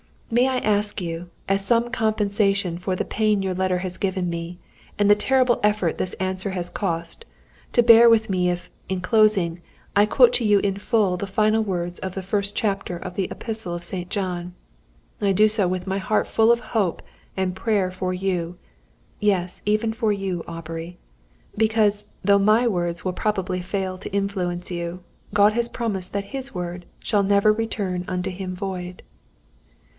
"May I ask you, as some compensation for the pain your letter has given me, and the terrible effort this answer has cost, to bear with me if, in closing, I quote to you in full the final words of the first chapter of the first epistle of St. John? I do so with my heart full of hope and prayer for you yes, even for you, Aubrey. Because, though my words will probably fail to influence you, God has promised that His Word shall never return unto Him void.